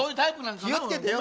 気をつけてよ。